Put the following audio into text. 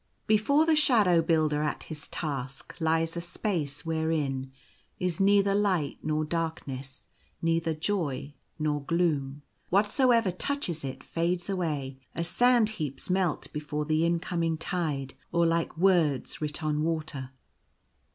Before the Shadow Builder at his task lies a space wherein is neither light nor darkness, neither joy nor gloom. Whatsoever touches it fades away as sand heaps melt before the incoming tide, or like words writ on water.